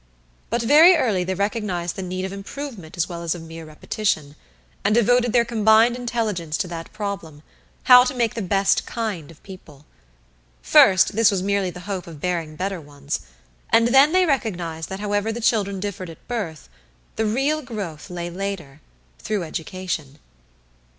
But very early they recognized the need of improvement as well as of mere repetition, and devoted their combined intelligence to that problem how to make the best kind of people. First this was merely the hope of bearing better ones, and then they recognized that however the children differed at birth, the real growth lay later through education.